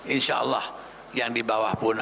insyaallah yang di bawah pun